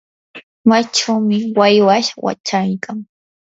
machaychawmi waywash wachaykan.